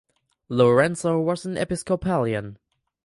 Lorenzo was an Episcopalian.